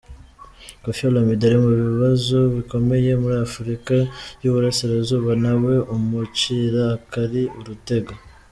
Koffi Olomide ari mu bibazo bikomeye, muri Afurika y’Uburasirazuba ntawe umucira akari urutega.